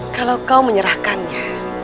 kalau kau menyerahkannya